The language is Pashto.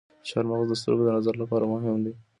چارمغز د سترګو د نظر لپاره مهم دی.